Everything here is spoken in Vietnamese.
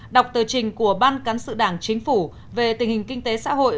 đọc tờ trình của ban cán sự đảng chính phủ về tình hình kinh tế xã hội